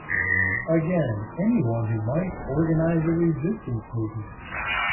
Again, anyone who might organize a resistance movement.